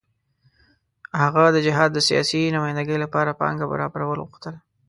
هغه د جهاد د سیاسي نمايندګۍ لپاره پانګه برابرول غوښتل.